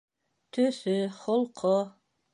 Төҫө, холҡо...